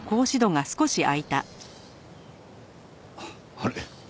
あれ？